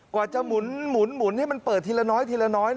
กว่าจะหมุนให้มันเปิดทีละน้อย